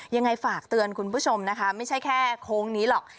ยังไงฝากเตือนคุณผู้ชมนะคะไม่ใช่แค่โค้งนี้หรอก